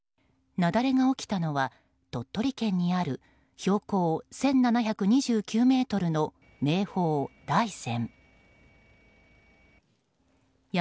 雪崩が起きたのは鳥取県にある標高１７２９ｍの名峰・大山。